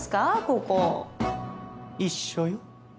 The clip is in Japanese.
ここ。一緒よ。